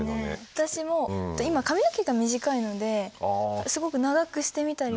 私も今髪の毛が短いのですごく長くしてみたりも。